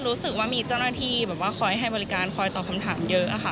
รู้สึกว่ามีเจ้าหน้าที่แบบว่าคอยให้บริการคอยตอบคำถามเยอะค่ะ